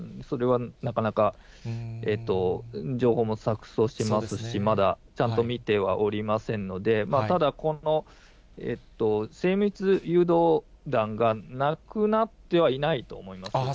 それはなかなか、情報も錯そうしてますし、まだちゃんと見てはおりませんので、ただ、精密誘導弾がなくなってはいないと思います。